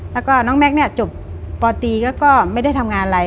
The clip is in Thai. แล้วก็น้องแม็กซ์เนี่ยจบปตีแล้วก็ไม่ได้ทำงานอะไร